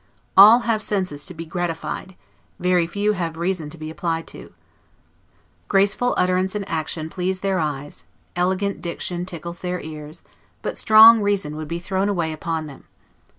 All have senses to be gratified, very few have reason to be applied to. Graceful utterance and action please their eyes, elegant diction tickles their ears; but strong reason would be thrown away upon them.